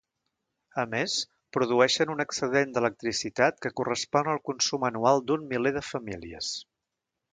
A més, produeixen un excedent d'electricitat que correspon al consum anual d'un miler de famílies.